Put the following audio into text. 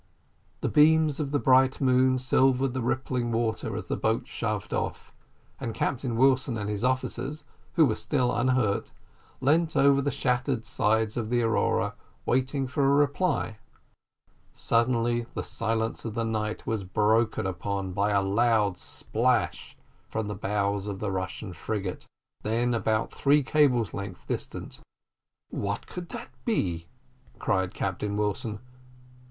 The beams of the bright moon silvered the rippling water as the boat shoved off; and Captain Wilson and his officers who were still unhurt, leant over the shattered sides of the Aurora, waiting for a reply: suddenly the silence of the night was broken upon by a loud splash from the bows of the Russian frigate, then about three cables' length distant. "What could that be?" cried Captain Wilson.